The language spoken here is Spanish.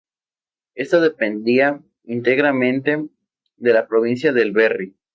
Esta dependía íntegramente de la provincia del Berry.